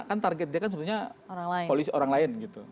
kan target dia kan sebenarnya polisi orang lain gitu